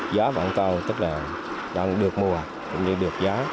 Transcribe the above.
gió vẫn cao tức là đông được mùa cũng như được gió